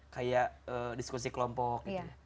kayak diskusi kelompok